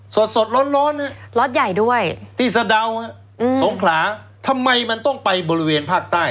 สดสดร้อนร้อนฮะล็อตใหญ่ด้วยที่สะดาวสงขลาทำไมมันต้องไปบริเวณภาคใต้